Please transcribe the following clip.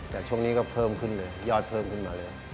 แต่ช่วงนี้ก็เพิ่มขึ้นเลยยอดเพิ่มขึ้นมาเลย